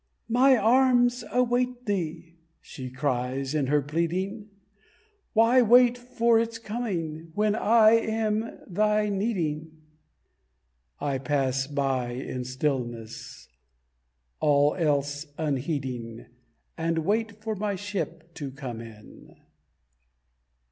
"My arms await thee," she cries in her pleading, "Why wait for its coming, when I am thy needing?" I pass by in stillness, all else unheeding, And wait for my ship to come in.